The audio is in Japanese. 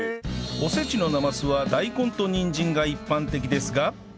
おせちのなますは大根とにんじんが一般的ですが